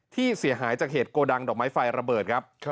ที่เสียหายจากเหตุโกดังดอกไม้ไฟระเบิดครับ